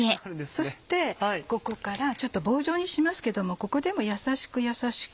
そしてここからちょっと棒状にしますけどもここでも優しく優しく。